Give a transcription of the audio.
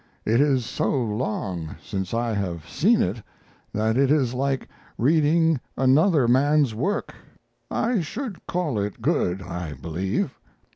It is so long since I have seen it that it is like reading another man's work. I should call it good, I believe."